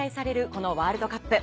このワールドカップ。